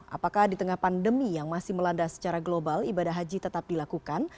apakah di tengah pandemi yang masih melanda secara global ibadah haji tetap dilakukan